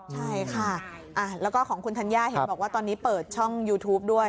ใช่ค่ะแล้วก็ของคุณธัญญาเห็นบอกว่าตอนนี้เปิดช่องยูทูปด้วย